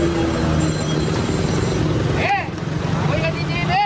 บอกให้เหรอวะกูอ้าว